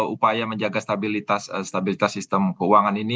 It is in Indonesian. upaya menjaga stabilitas sistem keuangan ini